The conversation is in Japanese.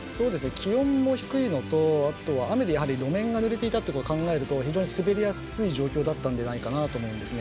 気温も低いのと雨で路面がぬれていたことを考えると非常に滑りやすい状況だったんじゃないかなと思うんですね。